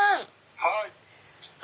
はい。